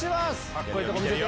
カッコいいとこ見せて！